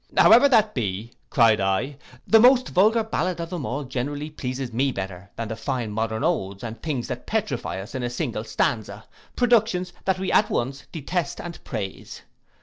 '—'However that be,' cried I, 'the most vulgar ballad of them all generally pleases me better than the fine modern odes, and things that petrify us in a single stanza; productions that we at once detest and praise.